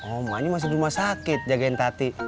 oh mbaknya masih rumah sakit jagain tati